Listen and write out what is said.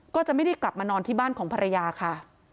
ก็จะไม่ได้กลับมานอนที่บ้านของภรรยาค่ะ